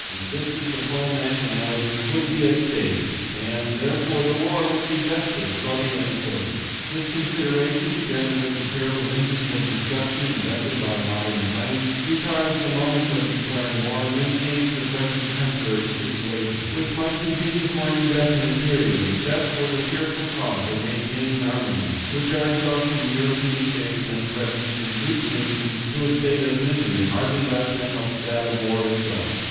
The existence of whole nationalities would be at stake, and therefore the war would be desperate, bloody, atrocious. "This consideration, together with the terrible engines of destruction invented by modern science, retards the moment of declaring war, and maintains the present temporary situation, which might continue for an indefinite period, except for the fearful cost of maintaining armaments which are exhausting the European states and threatening to reduce nations to a state of misery hardly less than that of war itself.